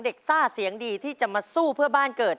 ซ่าเสียงดีที่จะมาสู้เพื่อบ้านเกิด